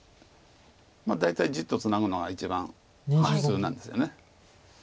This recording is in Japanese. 大体じっとツナぐのが一番普通なんですよね。